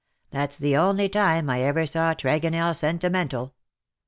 That's the only time I ever saw Tregonell sentimental.